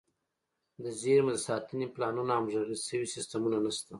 د زیرمو د ساتنې پلانونه او همغږي شوي سیستمونه نشته.